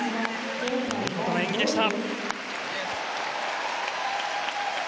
見事な演技でした。